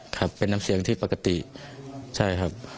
ครับเป็นน้ำเสียงที่ปกติใช่ครับ